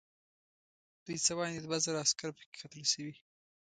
دوی څه باندې دوه زره عسکر پکې قتل شوي.